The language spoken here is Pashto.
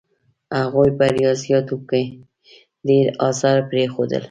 هغوی په ریاضیاتو کې ډېر اثار پرېښودل.